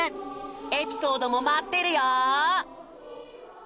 エピソードも待ってるよ。